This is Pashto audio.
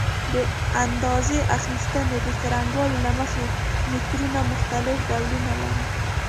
د اندازه اخیستنې د څرنګوالي له مخې مترونه مختلف ډولونه لري.